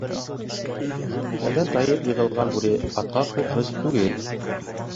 Хәлдән тайын йығылған бүре атҡа ҡурҡыныс түгел.